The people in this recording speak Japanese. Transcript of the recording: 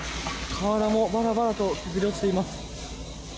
瓦もバラバラと崩れ落ちています。